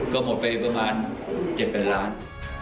ก็หมดไปประมาณ๗๘ล้านบาท